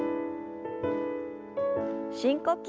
深呼吸。